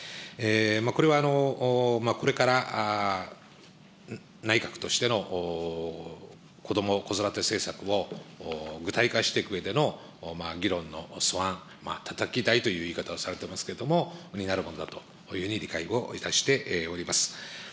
これはこれから内閣としての子ども・子育て政策を具体化していくうえでの議論の素案、たたき台という言い方をされていますけれども、になるものだというふうに理解をしております。